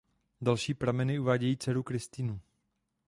Další prameny uvádějí dceru Kristinu.